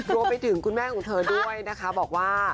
รวมไปถึงคุณแม่ของเธอด้วยนะคะบอกว่า